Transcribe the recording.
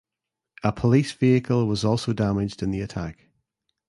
A police vehicle was also damaged in the attack.